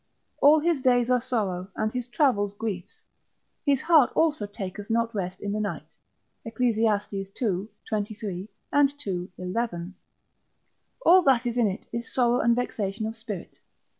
All his days are sorrow and his travels griefs: his heart also taketh not rest in the night. Eccles. ii. 23, and ii. 11. All that is in it is sorrow and vexation of spirit.